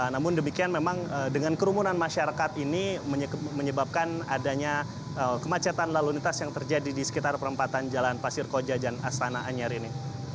namun demikian memang dengan kerumunan masyarakat ini menyebabkan adanya kemacetan lalu lintas yang terjadi di sekitar perempatan jalan pasir koja dan astana anyar ini